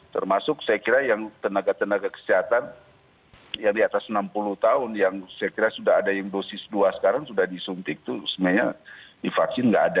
termasuk saya kira yang tenaga tenaga kesehatan yang di atas enam puluh tahun yang saya kira sudah ada yang dosis dua sekarang sudah disuntik itu sebenarnya divaksin nggak ada